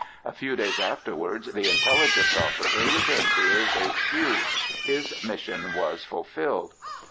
A few days afterwards the intelligence officer returned to his H.Q.'s—his mission was fulfilled.